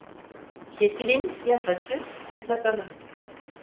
Kefilin ya saçı, ya sakalı.